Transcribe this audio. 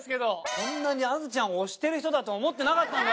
こんなにあずちゃんを推してる人だと思ってなかったんで私たちも。